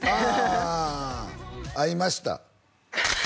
ああ会いました